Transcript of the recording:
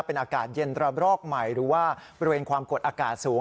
เป็นอากาศเย็นระบรอกใหม่หรือว่าบริเวณความกดอากาศสูง